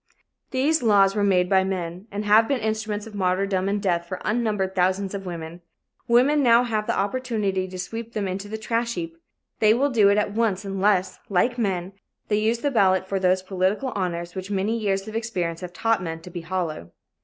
These laws were made by men and have been instruments of martyrdom and death for unnumbered thousands of women. Women now have the opportunity to sweep them into the trash heap. They will do it at once unless, like men, they use the ballot for those political honors which many years of experience have taught men to be hollow.